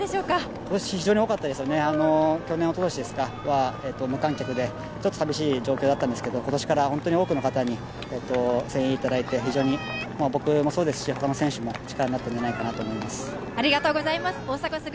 今年は非常に多かったですよね、去年、おととしは無観客でちょっと寂しい状況だったんですけど、今年から本当に多くの方に声援いただいて非常に、僕もそうですしほかの選手も力になったんじゃないかと思います。